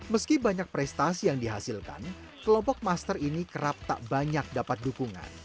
meski banyak prestasi yang dihasilkan kelompok master ini kerap tak banyak dapat dukungan